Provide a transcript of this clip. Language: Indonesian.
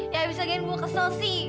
ya bisa gak yang gua kesel sih